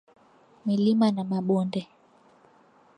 Milima na mabonde.